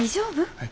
はい。